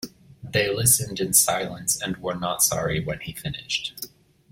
They listened in silence, and were not sorry when he finished.